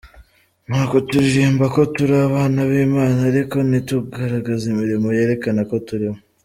Nuko turirimba ko turi abana b’Imana ariko ntitugaragaze imirimo yerekana ko turi bo”.